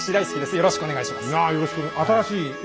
よろしくお願いします。